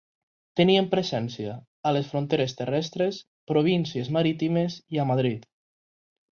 Tenien presència a les fronteres terrestres, províncies marítimes i a Madrid.